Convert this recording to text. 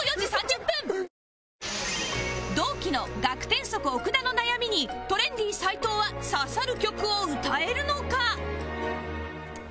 同期のガクテンソク奥田の悩みにトレンディ斎藤は刺さる曲を歌えるのか？